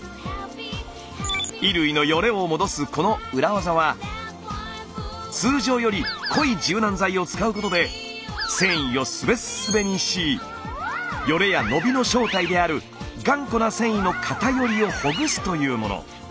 衣類のよれを戻すこの裏技は通常より濃い柔軟剤を使うことで繊維をすべっすべにしよれや伸びの正体である頑固な繊維の偏りをほぐすというもの。